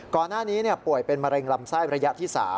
ก่อนหน้านี้ป่วยเป็นมะเร็งลำไส้ระยะที่๓